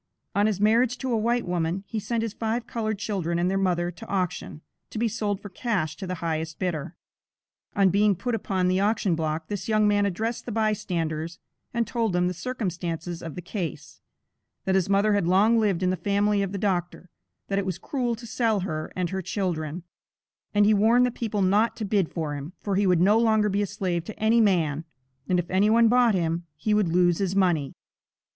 On his marriage to a white woman, he sent his five colored children and their mother to auction, to be sold for cash to the highest bidder. On being put upon the auction block, this young man addressed the bystanders, and told them the circumstances of the case; that his mother had long lived in the family of the doctor, that it was cruel to sell her and her children, and he warned the people not to bid for him, for he would no longer be a slave to any man, and if any one bought him, he would lose his money.